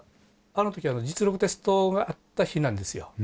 あの時は実力テストがあった日なんですよ。